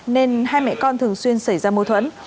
nên hai mẹ con thường xuyên xảy ra mâu thuẫn